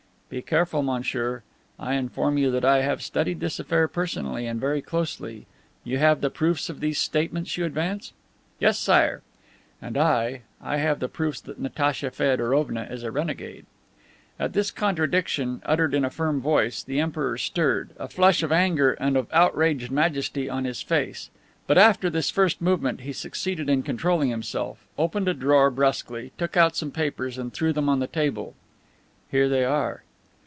"Be careful, monsieur. I inform you that I have studied this affair personally and very closely. You have the proofs of these statements you advance?" "Yes, Sire." "And I, I have the proofs that Natacha Feodorovna is a renegade." At this contradiction, uttered in a firm voice, the Emperor stirred, a flush of anger and of outraged majesty in his face. But, after this first movement, he succeeded in controlling himself, opened a drawer brusquely, took out some papers and threw them on the table. "Here they are."